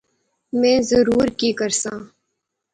میں ضرور کی کرساں